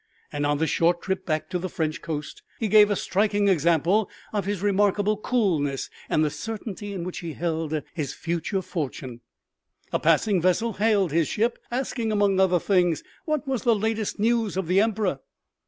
And on the short trip back to the French coast he gave a striking example of his remarkable coolness and the certainty in which he held his future fortune. A passing vessel hailed his ship, asking, among other things, what was the latest news of the Emperor.